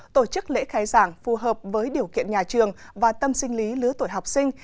tổ chức lễ khai giảng phù hợp với điều kiện nhà trường và tâm sinh lý lứa tuổi học sinh